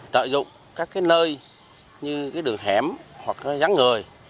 lợi dụng các cái nơi như cái đường hẻm hoặc cái gián người